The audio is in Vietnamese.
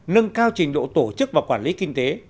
nâng cao trình độ tổ chức và quản lý kinh tế